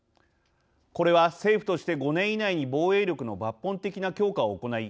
これは、政府として５年以内に防衛力の抜本的な強化を行い